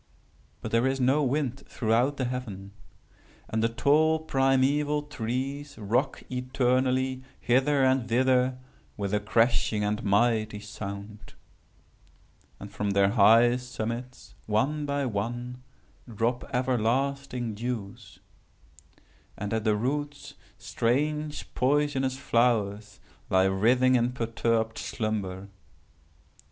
But there is no wind throughout the heaven. And the tall primeval trees rock eternally hither and thither with a crashing and mighty sound. And from their high summits, one by one, drop everlasting dews. And at the roots strange poisonous flowers lie writhing in perturbed slumber.